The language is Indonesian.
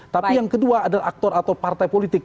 tapi yang kedua adalah aktor atau partai politik